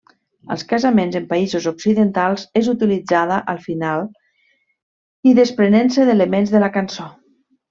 Als casaments en països occidentals és utilitzada al final i desprenent-se d'elements de la cançó.